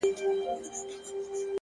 اراده د وېرې غږ کمزوری کوي.!